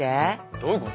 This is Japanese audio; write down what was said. どういうこと？